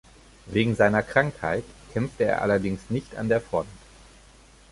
Wegen seiner Krankheit kämpfte er allerdings nicht an der Front.